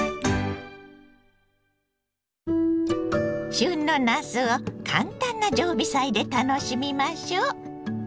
旬のなすを簡単な常備菜で楽しみましょう。